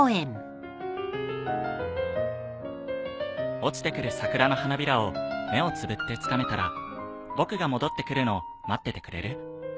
落ちてくる桜の花びらを目をつぶってつかめたら僕が戻ってくるのを待っててくれる？